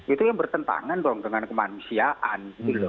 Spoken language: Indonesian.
itu yang bertentangan dong dengan kemanusiaan